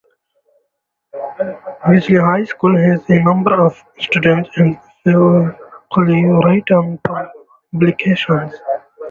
Wellesley High School has a number of student and faculty written publications.